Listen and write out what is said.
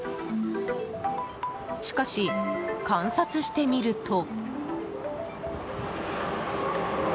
しかし、観察してみると。